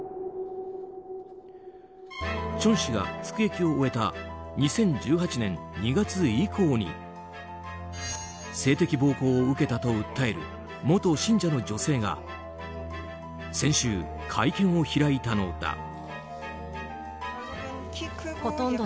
チョン氏が服役を終えた２０１８年２月以降に性的暴行を受けたと訴える元信者の女性が先週、会見を開いたのだ。